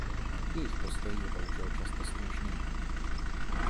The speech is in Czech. Jejich postoj je bohužel často směšný.